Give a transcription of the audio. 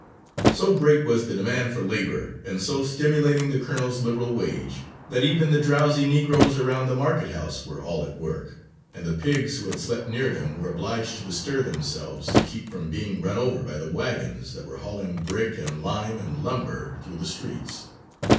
So great was the demand for labour and so stimulating the colonel's liberal wage, that even the drowsy Negroes around the market house were all at work, and the pigs who had slept near them were obliged to bestir themselves to keep from being run over by the wagons that were hauling brick and lime and lumber through the streets.